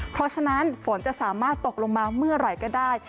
เพราะฉะนั้นฝนจะสามารถตกลงมาเมื่อไหร่ก็ได้